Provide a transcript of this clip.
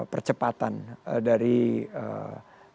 percepatan dari ee